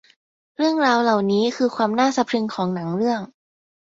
เรื่องราวเหล่านี้คือความน่าสะพรึงของหนังเรื่อง